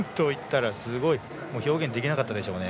表現できなかったでしょうね。